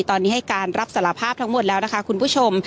ตอนนี้ให้การรับสารภาพทั้งหมดแล้วนะคะคุณผู้ชม